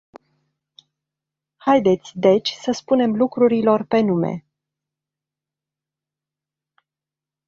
Haideți deci să spunem lucrurilor pe nume.